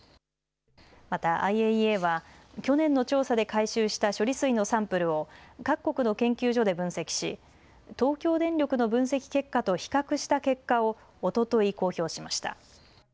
またＩＡＥＡは去年の調査で回収した処理水のサンプルを各国の研究所で分析し東京電力の分析結果と比較した結果をおととい公表しました。